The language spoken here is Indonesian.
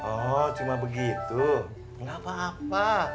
oh cuma begitu nggak apa apa